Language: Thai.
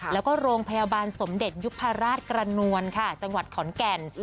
แล้วก็โรงพยาบาลสมเด็จยุพราชกระนวลค่ะจังหวัดขอนแก่น